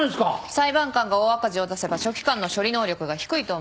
裁判官が大赤字を出せば書記官の処理能力が低いと思われる。